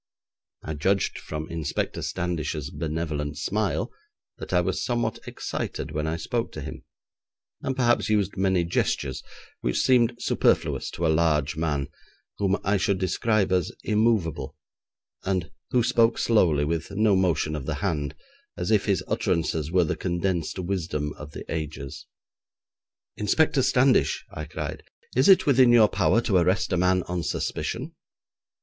I judged from Inspector Standish's benevolent smile that I was somewhat excited when I spoke to him, and perhaps used many gestures which seemed superfluous to a large man whom I should describe as immovable, and who spoke slowly, with no motion of the hand, as if his utterances were the condensed wisdom of the ages. 'Inspector Standish,' I cried, 'is it within your power to arrest a man on suspicion?'